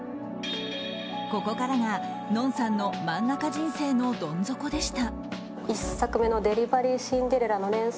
ここからがＮＯＮさんの漫画家人生のどん底でした。